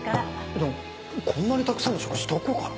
でもこんなにたくさんの食事どこから？